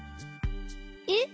えっ！